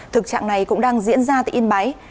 thực trạng này cũng đang diễn ra tại yên bái